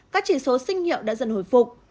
các chỉ số sinh hiệu đã dần hồi phục